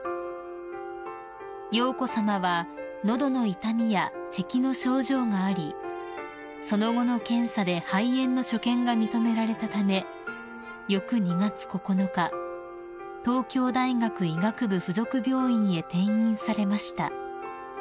［瑶子さまは喉の痛みやせきの症状がありその後の検査で肺炎の所見が認められたため翌２月９日東京大学医学部附属病院へ転院されました］